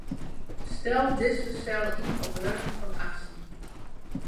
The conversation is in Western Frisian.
Stel dizze sel yn op breuken fan achtsten.